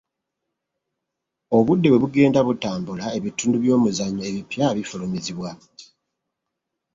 Obudde bwe bugenda butambula ebitundu by'omuzannyo ebipya bifulumizibwa.